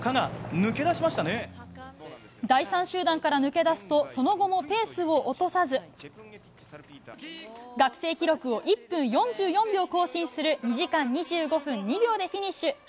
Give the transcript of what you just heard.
第３集団から抜け出すとその後もペースを落とさず学生記録を１分４４秒更新する２時間２５分２秒でフィニッシュ。